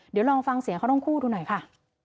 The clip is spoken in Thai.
เดี๋ยวลองฟังเสียงเขาทั้งคู่ดูหน่อยค่ะ